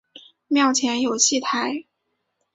庙前有戏台。